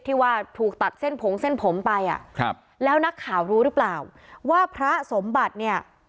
ที่ว่าถูกตัดเส้นผงเส้นผมไปอ่ะครับแล้วนักข่าวรู้หรือเปล่าว่าพระสมบัติเนี่ย